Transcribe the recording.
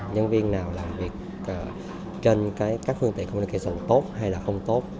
nhân viên nào làm việc trên các phương tiện communication tốt hay là không tốt